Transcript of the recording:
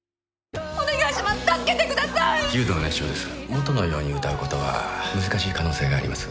元のように歌うことは難しい可能性があります。